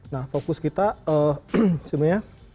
nah fokus kita sebenarnya